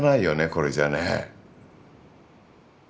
これじゃね。